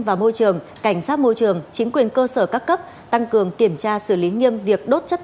và môi trường cảnh sát môi trường